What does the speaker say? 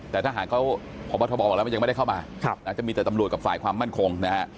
แต่ทหารก็พบทบอกว่าไม่ได้เข้ามาก็จะมีแต่ตำรวจกับฝ่ายความมั่นคง